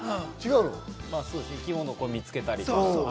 生き物を見つけたり。